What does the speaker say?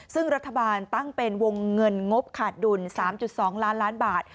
ซึ่งรัฐบาลตั้งเป็นวงเงินงบขาดดุล๓๒ล้านล้านบาท